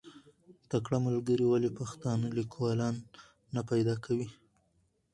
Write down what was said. تکړه ملګري ولې پښتانه لیکوالان نه پیدا کوي؟